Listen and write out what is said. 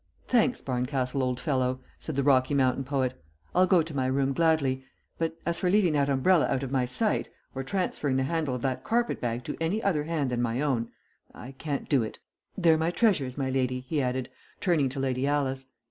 "Thanks, Barncastle, old fellow," said the Rocky Mountain poet, "I'll go to my room gladly; but as for leaving that umbrella out of my sight, or transferring the handle of that carpet bag to any other hand than my own, I can't do it. They're my treasures, my lady," he added, turning to Lady Alice.